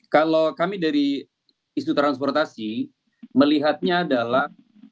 kalau kami dari isu transportasi melihatnya adalah